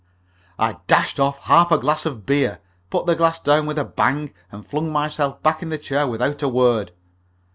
I dashed off half a glass of beer, put the glass down with a bang, and flung myself back in the chair without a word.